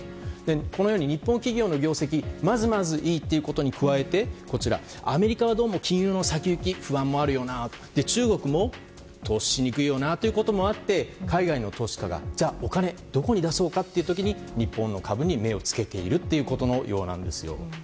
このように、日本企業の業績まずまずいいということに加えてこちら、アメリカはどうも金融の先行き不安もあるよな中国も投資しにくいよなということもあって海外の投資家が、お金をどこに出そうかという時に日本の株に目をつけているということのようなんですよ。